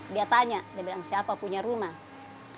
dia tanya dia bilang siapa punya rumah